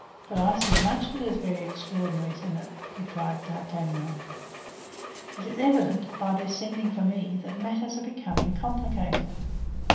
"But I see much that is very extraordinary in it," replied D'Artagnan. "It is evident, by their sending for me, that matters are becoming complicated.